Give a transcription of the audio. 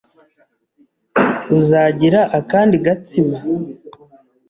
Uzagira akandi gatsima?